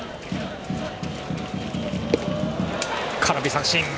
空振り三振！